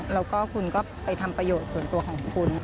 แล้วก็คุณก็ไปทำประโยชน์ส่วนตัวของคุณ